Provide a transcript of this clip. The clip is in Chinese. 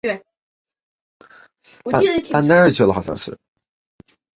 然而这两种囊肿都不是由皮脂腺引起的。